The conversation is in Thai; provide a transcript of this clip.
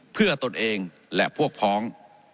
เพื่อตนเองและพวกพ้อง